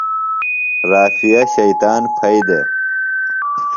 رافعہ شیطان پھئیۡ دےۡ۔